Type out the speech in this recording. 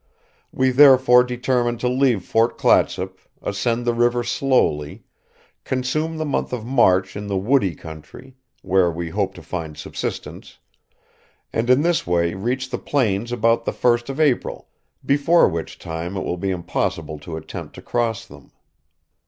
We therefore determined to leave Fort Clatsop, ascend the river slowly, consume the month of March in the woody country, where we hoped to find subsistence, and in this way reach the plains about the first of April, before which time it will be impossible to attempt to cross them."